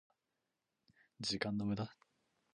時間の無駄？